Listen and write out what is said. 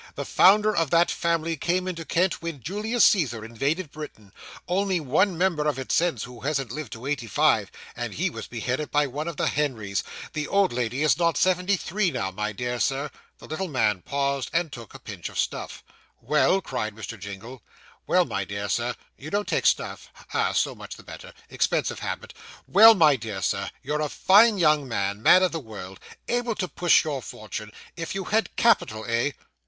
The founder of that family came into Kent when Julius Caesar invaded Britain; only one member of it, since, who hasn't lived to eighty five, and he was beheaded by one of the Henrys. The old lady is not seventy three now, my dear Sir.' The little man paused, and took a pinch of snuff. 'Well,' cried Mr. Jingle. 'Well, my dear sir you don't take snuff! ah! so much the better expensive habit well, my dear Sir, you're a fine young man, man of the world able to push your fortune, if you had capital, eh?